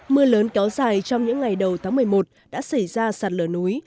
mưa lớn kéo dài trong những ngày đầu tháng một mươi một đã xảy ra sạt lở núi